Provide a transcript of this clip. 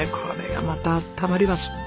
これがまた温まります。